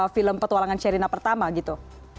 film petualangan sherina pertama gitu